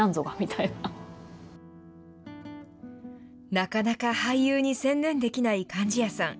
なかなか俳優に専念できない貫地谷さん。